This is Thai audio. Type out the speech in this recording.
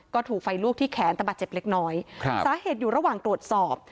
ก็ถูกไฟลวกที่แขนตะบาดเจ็บเล็กน้อยครับสาเหตุอยู่ระหว่างตรวจสอบ